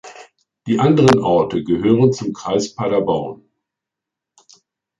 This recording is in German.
Die anderen Orte gehören zum Kreis Paderborn.